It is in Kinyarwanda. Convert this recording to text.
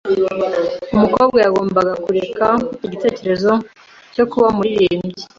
Umukobwa yagombaga kureka igitekerezo cyo kuba umuririmbyi.